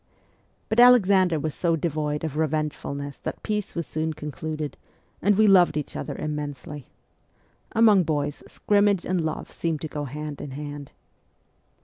But Alexander was so devoid of revengefulness that peace was soon concluded, and we loved each other immensely. Among boys, scrimmage and love seem to go hand in hand.